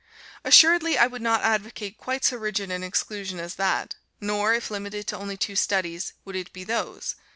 Assuredly I would not advocate quite so rigid an exclusion as that, nor, if limited to only two studies, would it be those.